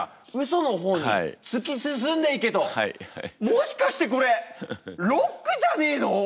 もしかしてこれロックじゃねえの！？